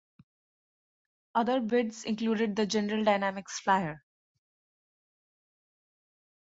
Other bids included the General Dynamics Flyer.